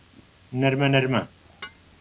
نەرمە نەرمە